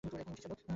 এখন উঠ, চল।